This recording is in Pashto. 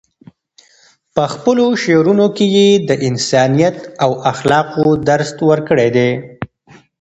په خپلو شعرونو کې یې د انسانیت او اخلاقو درس ورکړی دی.